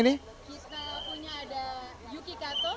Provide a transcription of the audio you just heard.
kita punya ada yuki kato